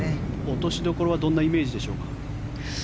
落としどころはどんなイメージでしょうか？